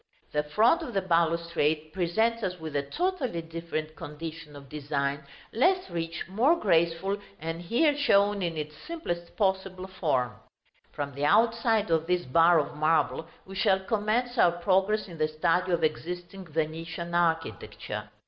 The front of the balustrade presents us with a totally different condition of design, less rich, more graceful, and here shown in its simplest possible form. From the outside of this bar of marble we shall commence our progress in the study of existing Venetian architecture.